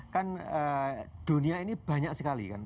kan dunia ini banyak sekali kan